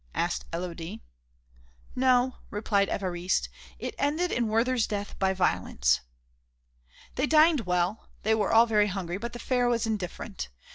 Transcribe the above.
asked Élodie. "No," replied Évariste; "it ended in Werther's death by violence." They dined well, they were all very hungry; but the fare was indifferent.